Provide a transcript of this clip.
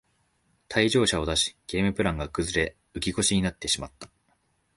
退場者を出しゲームプランが崩れ浮き腰になってしまった